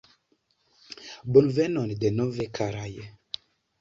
Bonvenon denove, karaj.